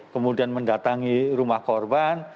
kemudian mendatangi rumah korban